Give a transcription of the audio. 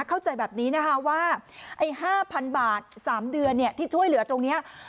เข้าใจแบบนี้นะคะว่าไอ้๕๐๐๐บาท๓เดือนที่ช่วยเหลือตรงนี้